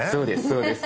そうです